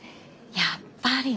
やっぱり。